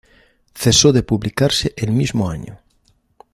Cesó de publicarse el mismo año.